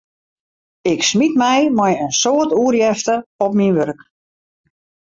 Ik smiet my mei in soad oerjefte op myn wurk.